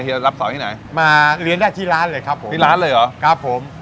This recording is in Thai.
รับสอนที่ไหนมาเรียนได้ที่ร้านเลยครับผมที่ร้านเลยเหรอครับผม